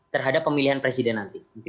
terhadap pemilihan presiden